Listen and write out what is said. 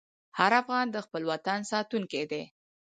هر افغان د خپل وطن ساتونکی دی.